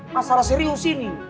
masalah serius ini